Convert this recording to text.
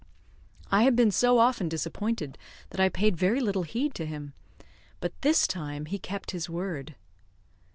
I had been so often disappointed that I paid very little heed to him, but this time he kept his word.